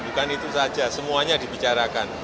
bukan itu saja semuanya dibicarakan